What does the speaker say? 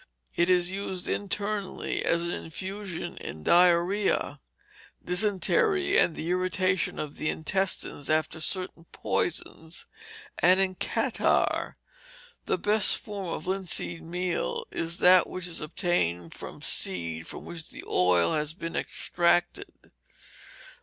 It is used internally as an infusion in diarrhoea, dysentery, and irritation of the intestines after certain poisons, and in catarrh. The best form of linseed meal is that which is obtained from seed from which the oil has not been extracted.